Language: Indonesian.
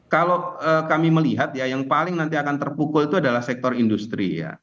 kalau kami melihat ya yang paling nanti akan terpukul itu adalah sektor industri ya